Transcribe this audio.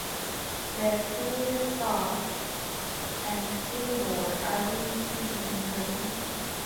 De Philipsthal and Phylidor are believed to be the same person.